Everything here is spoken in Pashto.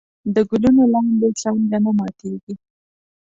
د ګلونو لاندې څانګه نه ماتېږي.